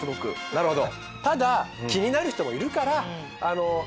なるほど。